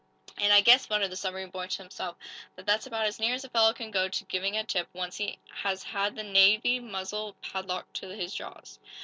"And I guess," muttered the submarine boy to himself, "that that's about as near as a fellow can go to giving a tip, once he has had the Navy muzzle padlocked to his jaws."